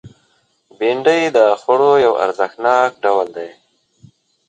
بېنډۍ د خوړو یو ارزښتناک ډول دی